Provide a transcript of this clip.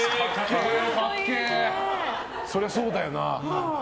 そりゃそうだよな。